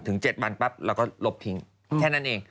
๗วันปั๊บเราก็ลบทิ้งแค่นั้นเอง